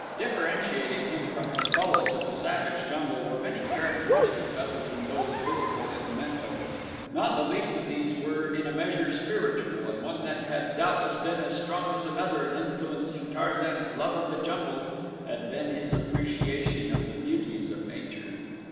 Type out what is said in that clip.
Differentiating him from his fellows of the savage jungle were many characteristics other than those physical and mental. Not the least of these were in a measure spiritual, and one that had doubtless been as strong as another in influencing Tarzan's love of the jungle had been his appreciation of the beauties of nature.